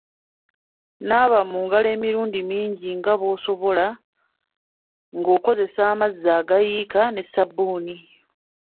Naaba mu ngalo emirundi mingi nga bw’osobola ng’okozesa amazzi agayiika ne ssabbuuni.